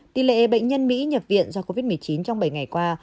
tỷ lệ bệnh nhân mỹ nhập viện do covid một mươi chín trong bảy ngày qua